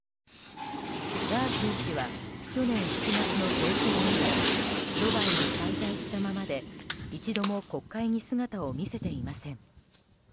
ガーシー氏は去年７月の当選以来ドバイに滞在したままで一度も国会に姿を見せていません。